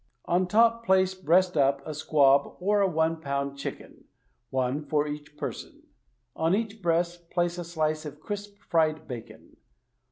On top place, breast up, a squab or a one pound chicken — one for each person. On each breast place a slice of crisp fried bacon.